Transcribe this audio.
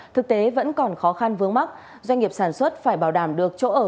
thực tế vẫn còn khó khăn vướng mắt doanh nghiệp sản xuất phải bảo đảm được chỗ ở